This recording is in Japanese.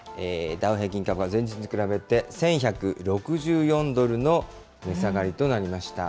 ダウ平均株価、前日と比べて１１６４ドルの値下がりとなりました。